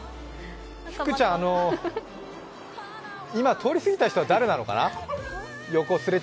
ふくちゃん、今、通りすぎた人は誰なのかな？